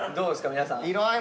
皆さん。